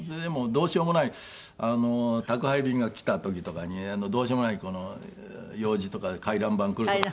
どうしようもない宅配便が来た時とかにどうしようもない用事とか回覧板が来るとか。